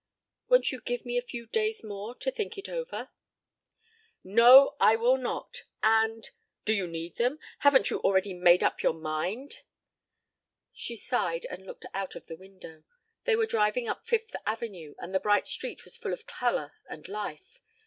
"Won't you give me a few days more to think it over?" "No, I will not. And do you need them? Haven't you already made up your mind?" She sighed and looked out of the window. They were driving up Fifth Avenue and the bright street was full of color and life.